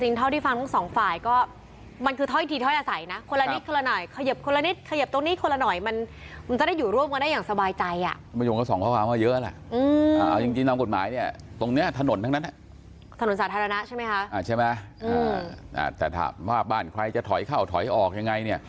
สิ่งเท่าที่ฟังกับทั้งสองฝ่ายก็มันคือท้อยทีท้อยเนิ่ง